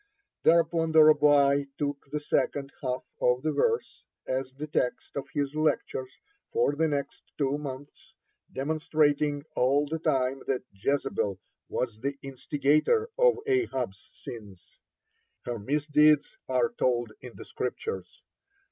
Thereupon the Rabbi took the second half of the verse as the text of his lectures for the next two months, demonstrating all the time that Jezebel was the instigator of Ahab's sins. (48) Her misdeed are told in the Scriptures.